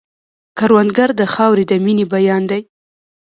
کروندګر د خاورې د مینې بیان دی